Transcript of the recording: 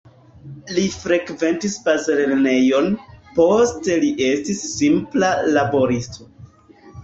Li frekventis bazlernejon, poste li estis simpla laboristo.